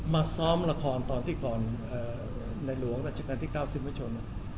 มาซ้อมละครตอนที่ก่อนในหลวงจริงอาจารย์ที่๙๐ประชุม